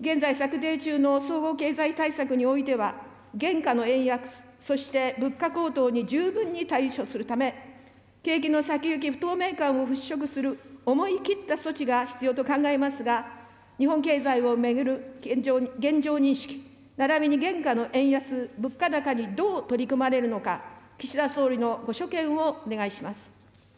現在策定中の総合経済対策においては、現下の円安、そして物価高騰に十分に対処するため、景気の先行き不透明感を払拭する思い切った措置が必要と考えますが、日本経済を巡る現状認識、ならびに現下の円安、物価高にどう取り組まれるのか、岸田総理のご所見をお願いします。